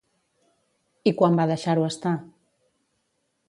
I quan va deixar-ho estar?